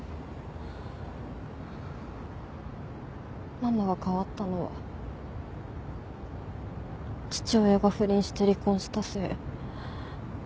ママが変わったのは父親が不倫して離婚したせい。